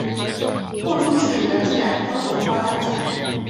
貨出去、人進來，高雄發大財！